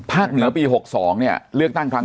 เหนือปี๖๒เนี่ยเลือกตั้งครั้ง